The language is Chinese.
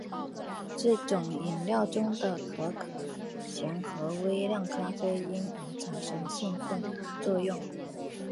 这种饮料中的可可碱和微量咖啡因可产生兴奋作用。